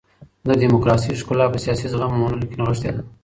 د ډيموکراسۍ ښکلا په سياسي زغم او منلو کي نغښتې ده.